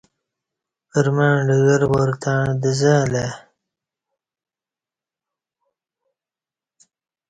پرمع ڈگروار تݩع دزں الہ ا ی